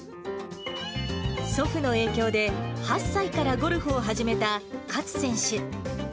祖父の影響で、８歳からゴルフを始めた勝選手。